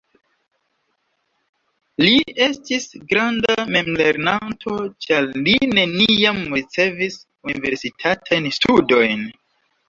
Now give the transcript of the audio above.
Li estis granda memlernanto ĉar li neniam ricevis universitatajn studojn.